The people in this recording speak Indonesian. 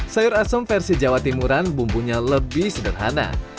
sayur asem versi jawa timuran bumbunya lebih sederhana